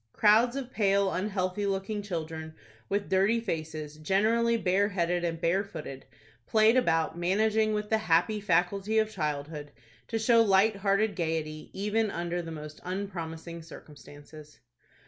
Crowds of pale, unhealthy looking children, with dirty faces, generally bare headed and bare footed, played about, managing, with the happy faculty of childhood, to show light hearted gayety, even under the most unpromising circumstances.